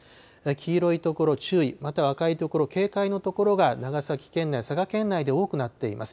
黄色い所注意、または赤い所警戒の所が長崎県内、佐賀県内で多くなっています。